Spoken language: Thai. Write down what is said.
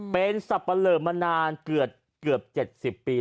เป็นสับปะเหลอมานานเกือบ๗๐ปี